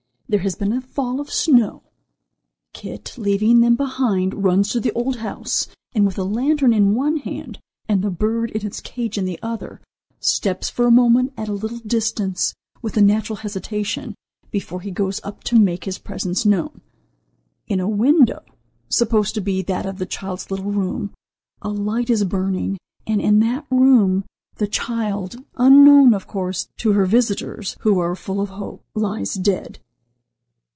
There has been a fall of snow. Kit, leaving them behind, runs to the old house, and with a lantern in one hand, and the bird in its cage in the other, stops for a moment at a little distance, with a natural hesitation, before he goes up to make his presence known. In a window—supposed to be that of the child's little room—a light is burning, and in that room the child (unknown, of course, to her visitors, who are full of hope), lies dead."